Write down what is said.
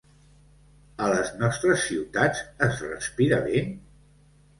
A les nostres ciutats es respira bé?